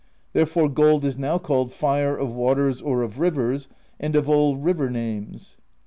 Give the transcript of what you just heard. Therefore gold is now called Fire of Waters or of Rivers, and of all river names.